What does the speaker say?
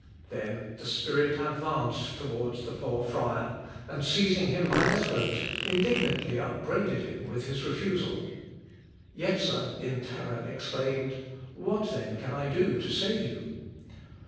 Then the spirit advanced towards the poor friar and, seizing him by the throat, indignantly upbraided him with his refusal. Jetzer in terror exclaimed, "What then can I do to save you?"